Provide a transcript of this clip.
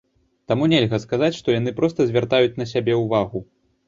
Таму нельга сказаць, што яны проста звяртаюць на сябе ўвагу.